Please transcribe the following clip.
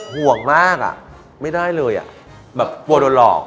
ห่วงมากอ่ะไม่ได้เลยอ่ะแบบกลัวโดนหลอก